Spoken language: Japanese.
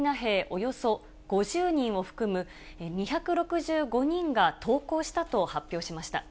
およそ５０人を含む２６５人が投降したと発表しました。